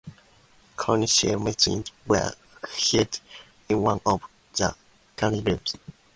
Council meetings were held in one of the courtrooms.